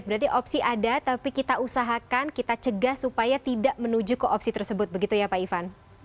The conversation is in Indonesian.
berarti opsi ada tapi kita usahakan kita cegah supaya tidak menuju ke opsi tersebut begitu ya pak ivan